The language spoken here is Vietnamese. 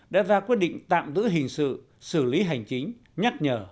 đã ra quyết định tạm giữ hình sự xử lý hành chính nhắc nhở